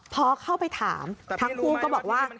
พอเข้าไปถามทั้งคู่ก็บอกว่า